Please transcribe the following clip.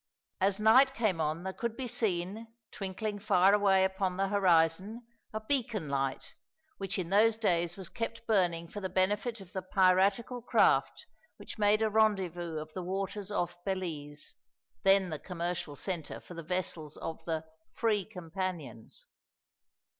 As night came on there could be seen, twinkling far away upon the horizon, a beacon light, which in those days was kept burning for the benefit of the piratical craft which made a rendezvous of the waters off Belize, then the commercial centre for the vessels of the "free companions."